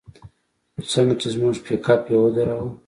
خو څنگه چې زموږ پېکپ يې ودراوه.